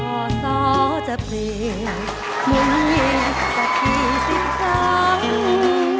เพราะสาวจะเปลี่ยนหมุนเย็นสักทีสิบครั้ง